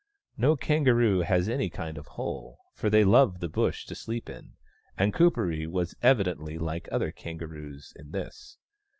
No kangaroo has any kind of hole, for they love the Bush to sleep in, and Kuperee was evidently like other kangaroos in this.